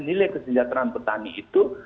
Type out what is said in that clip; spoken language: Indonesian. nilai kesejahteraan petani itu